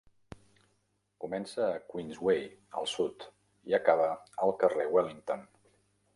Comença a Queensway al sud i acaba al carrer Wellington.